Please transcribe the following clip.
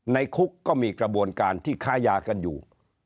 ในคุกก็มีกระบวนการที่ค้ายากันอยู่